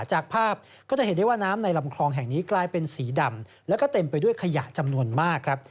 จากภาพก็จะเห็นได้ว่าน้ำในลำคลองแห่งนี้กลายเป็นสีดำแล้วก็เต็มไปด้วยขยะจำนวนมากครับ